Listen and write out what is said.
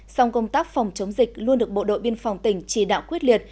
song công tác phòng chống dịch luôn được bộ đội biên phòng tỉnh chỉ đạo quyết liệt